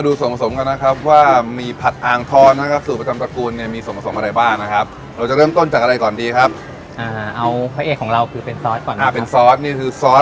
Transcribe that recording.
เดี๋ยวขออนุญาตบุกเข้าไปในโคลนี้